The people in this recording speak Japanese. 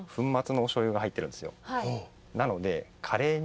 なので。